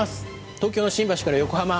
東京の新橋から横浜。